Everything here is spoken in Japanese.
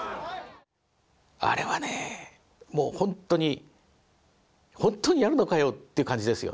あれはねもう本当に本当にやるのかよって感じですよね。